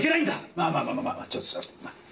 まあまあまあまあまあちょっと座って。